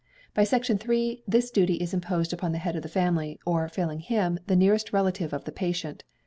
By section 3 this duty is imposed on the head of the family, or, failing him, the nearest relative of the patient.